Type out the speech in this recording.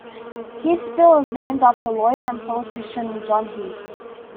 "Heathsville" is named after lawyer and politician John Heath.